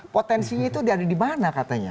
potensi itu dari dimana katanya